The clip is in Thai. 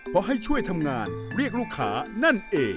เพราะให้ช่วยทำงานเรียกลูกค้านั่นเอง